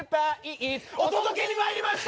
お届けにまいりました！